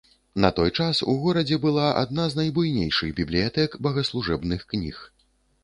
На той час у горадзе была адна з найбуйнейшых бібліятэк богаслужэбных кніг.